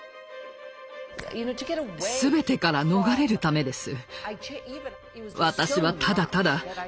全てから逃れるためです。